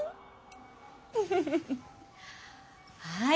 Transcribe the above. はい。